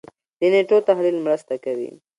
دې نېټو تحلیل مرسته کوي.